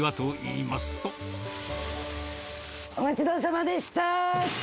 いまお待ちどおさまでした。